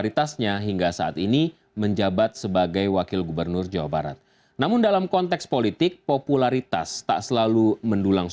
kita masih berjalan kejayaan dan tertawa